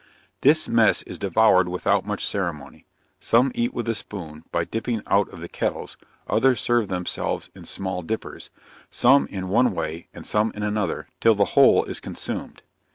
This mess is devoured without much ceremony some eat with a spoon, by dipping out of the kettles; others serve themselves in small dippers; some in one way, and some in another, till the whole is consumed.